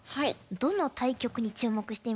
どの対局に注目していますか？